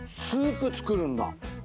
スープ作るんだ。